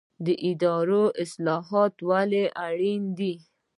اداري اصلاحات ولې اړین دي؟